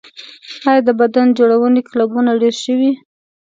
آیا د بدن جوړونې کلبونه ډیر شوي؟